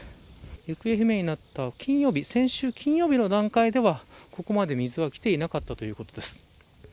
行方不明になった金曜日先週金曜日の段階ではここまで水はきていなかったということです。